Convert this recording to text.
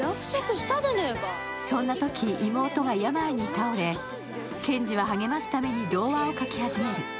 そんなとき妹が病に倒れ賢治は励ますために童話を書き始める。